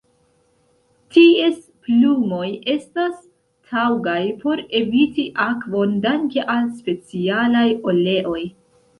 Ties plumoj estas taŭgaj por eviti akvon danke al specialaj oleoj.